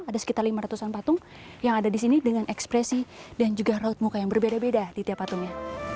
ada sekitar lima ratus an patung yang ada di sini dengan ekspresi dan juga raut muka yang berbeda beda di tiap patungnya